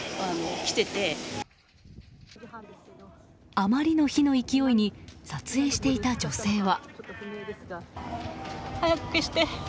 あまりの火の勢いに撮影していた女性は。